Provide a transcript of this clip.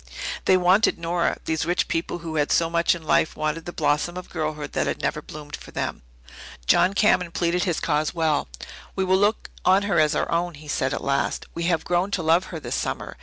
They wanted Nora these rich people who had so much in life wanted the blossom of girlhood that had never bloomed for them. John Cameron pleaded his cause well. "We will look on her as our own," he said at last. "We have grown to love her this summer.